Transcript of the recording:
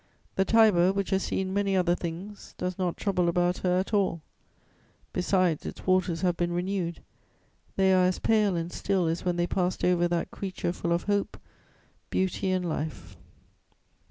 The Tiber, which has seen many other things, does not trouble about her at all. Besides, its waters have been renewed: they are as pale and still as when they passed over that creature full of hope, beauty and life.